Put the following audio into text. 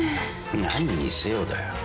何にせよだよ。